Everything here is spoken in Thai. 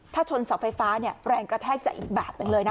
ถ้าชนเสาไฟฟ้าเนี่ยแรงกระแทกจากอีกแบบหนึ่งเลยนะ